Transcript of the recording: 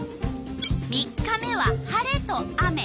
３日目は晴れと雨。